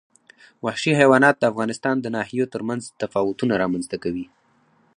وحشي حیوانات د افغانستان د ناحیو ترمنځ تفاوتونه رامنځ ته کوي.